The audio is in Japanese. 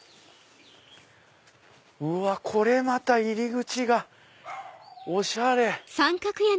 これまた入り口がおしゃれ！